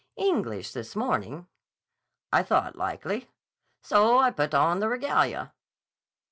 "English, this morning." "I thought likely. So I put on the regalia."